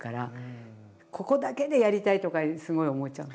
ここだけでやりたいとかすごい思っちゃうのね。